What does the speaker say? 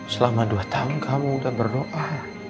selama dua tahun kamu sudah berdoa